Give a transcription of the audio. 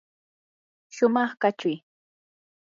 shumaq kachuy.